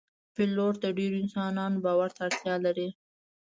پیلوټ د ډیرو انسانانو باور ته اړتیا لري.